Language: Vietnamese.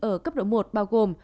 ở cấp độ một bao gồm